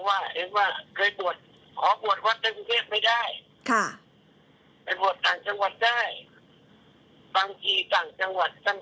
อันนี้เป็นมุมมองจากทาง